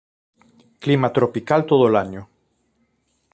Clima tropical todo el año.